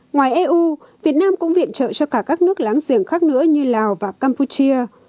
ngoài eu việt nam cũng viện trợ cho cả các nước láng giềng khác nữa như lào và campuchia